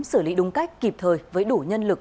xử lý đúng cách kịp thời với đủ nhân lực